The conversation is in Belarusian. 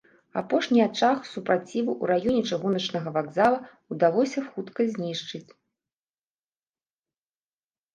Апошні ачаг супраціву ў раёне чыгуначнага вакзала ўдалося хутка знішчыць.